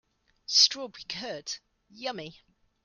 Strawberry curd, yummy!